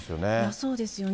そうですよね。